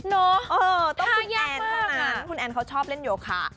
เนอะท่ายากมากนะคุณแอนค่ะคุณแอนเขาชอบเล่นโยคะ